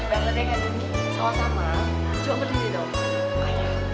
gak keras banget lagi